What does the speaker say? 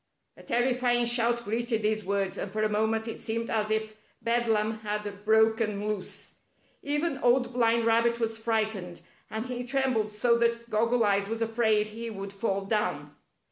A terrifying shout greeted these words, and for a moment it seemed as if bedlam had brol|en loose. Even Old Blind Rabbit was frightened, and he trembled so that Goggle Eyes was afraid he would fall down.